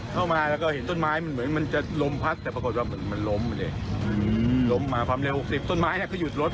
ที่นี่ดีมีหลวงหลวงปู่ทวด